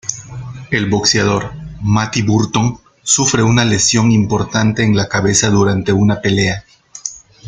El boxeador Matty Burton sufre una lesión importante en la cabeza durante una pelea.